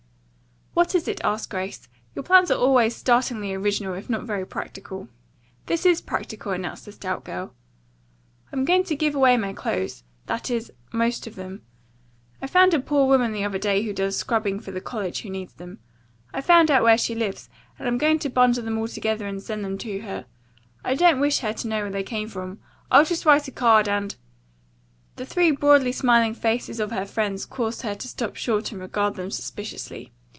"What is it?" asked Grace. "Your plans are always startlingly original if not very practical." "This is practical," announced the stout girl. "I'm going to give away my clothes; that is, the most of them. I found a poor woman the other day who does scrubbing for the college who needs them. I found out where she lives and I'm going to bundle them all together and send them to her. I don't wish her to know where they came from. I'll just write a card, and " The three broadly smiling faces of her friends caused her to stop short and regard them suspiciously.